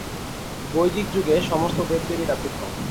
বৈদিক যুগে সমস্ত দেব-দেবীরা পৃথক।